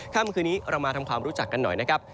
ค่ำคืนนี้เรามาทำความรู้จักกันหน่อยนะครับ